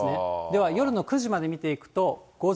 では夜の９時まで見ていくと。